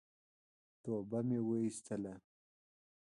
توبه مي واېستله !